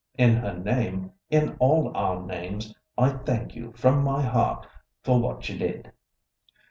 In her name, in all our names, I thank you from my heart for what you did."